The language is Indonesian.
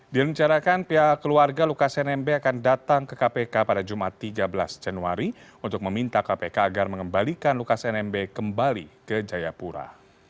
direncanakan pihak keluarga lukas nmb akan datang ke kpk pada jumat tiga belas januari untuk meminta kpk agar mengembalikan lukas nmb kembali ke jayapura